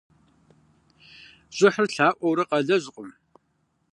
ЩӀыхьыр лъаӀуэурэ къалэжькъым.